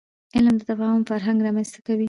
علم د تفاهم فرهنګ رامنځته کوي.